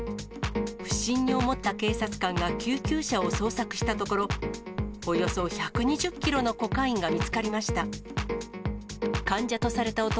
不審に思った警察官が救急車を捜索したところ、およそ１２０キロのコカインが見つかりました。